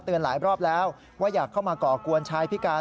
หลายรอบแล้วว่าอยากเข้ามาก่อกวนชายพิการ